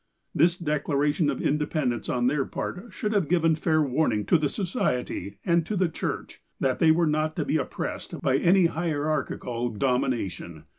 This declaration of independence on their part should have given fair warning to the Society, and to the Church, that they were not to be oppressed by any hierarchical dom ination.